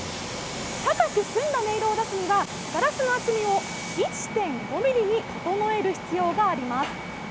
高く澄んだ音色を出すには、ガラスの厚みを１．５ミリに整える必要があります。